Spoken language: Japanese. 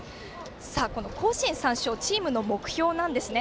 甲子園３勝はチームの目標なんですね。